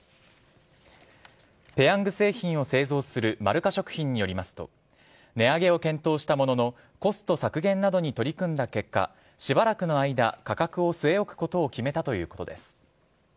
ペヤング製品を製造するまるか食品によりますと値上げを検討したもののコスト削減などに取り組んだ結果しばらくの間価格を据え置くことを決めたということです。